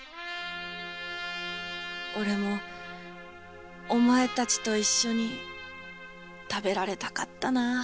俺もお前たちと一緒に食べられたかったな。